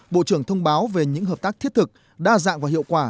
bộ trưởng thông báo về những hợp tác thiết thực đa dạng và hiệu quả